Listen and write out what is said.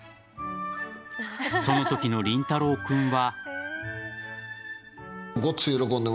そのときの凛太郎君は。